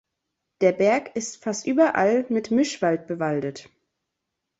Der Berg ist fast überall mit Mischwald bewaldet.